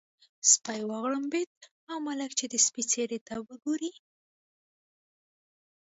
سپی وغړمبېد او ملک چې د سپي څېرې ته وګوري.